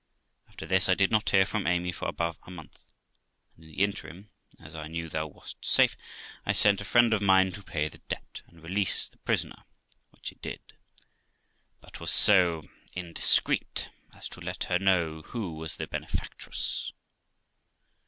After this I did not hear from Amy for above a month, and in the interim (as I knew thou wast safe), I sent a friend of mine to pay the debt, and release the prisoner, which he did, but was so indiscreet as to let her know who was the benefactress.